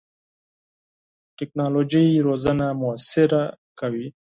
ټکنالوژي روزنه موثره کوي.